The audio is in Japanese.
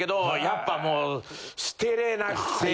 やっぱもう捨てれなくて。